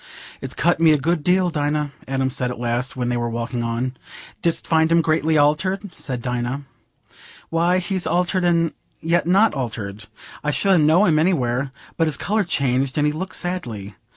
"It's cut me a good deal, Dinah," Adam said at last, when they were walking on. "Didst find him greatly altered?" said Dinah. "Why, he's altered and yet not altered. I should ha' known him anywhere. But his colour's changed, and he looks sadly.